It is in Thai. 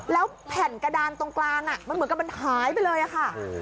แล้วแผ่นกระดานตรงกลางมันเหมือนกับมันหายไปเลยค่ะ